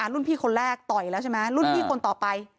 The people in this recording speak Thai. รุ่นพี่คนแรกต่อยแล้วใช่ไหมรุ่นพี่คนต่อไป